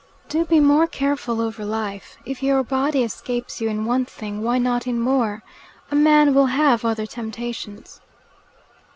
"Do be more careful over life. If your body escapes you in one thing, why not in more? A man will have other temptations."